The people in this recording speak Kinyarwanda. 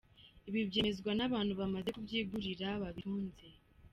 Ibi byemezwa n’abantu bamaze kubyigurira babitunze.